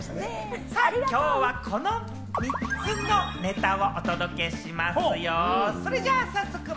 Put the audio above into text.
さあ、きょうはこの３つのネタをお届けしますよ。